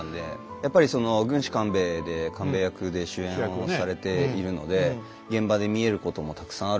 やっぱりその「軍師官兵衛」で官兵衛役で主演をされているので現場で見えることもたくさんあるでしょうし。